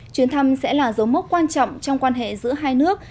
chuyến thăm sẽ là dấu mốc quan trọng trong quan hệ giữa hai nước